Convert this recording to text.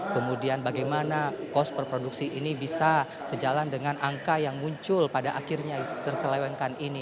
kemudian bagaimana kos perproduksi ini bisa sejalan dengan angka yang muncul pada akhirnya terselewengkan ini